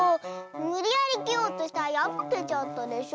むりやりきようとしたらやぶけちゃったでしょ！